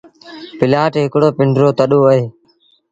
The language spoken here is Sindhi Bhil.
پلآٽ هڪڙو پنڊرو تڏو اهي۔